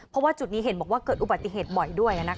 เพราะว่าจุดนี้เห็นบอกว่าเกิดอุบัติเหตุบ่อยด้วย